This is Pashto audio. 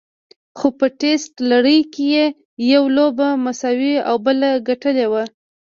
خو په ټېسټ لړۍ کې یې یوه لوبه مساوي او بله ګټلې وه.